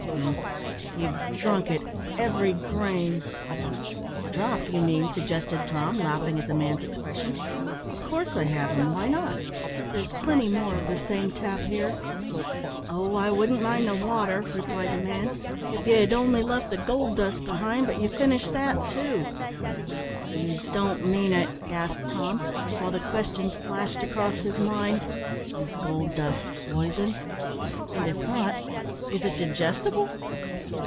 "Humph! you've drunk it, every grain." "Drop, you mean," suggested Tom, laughing at the man's expression; "of course I have, and why not? There's plenty more of the same tap here." "Oh, I wouldn't mind the water," replied the man, "if ye had only left the gold dust behind, but you've finished that too." "You don't mean it!" gasped Tom, while the questions flashed across his mind Is gold dust poison? And if not, is it digestible?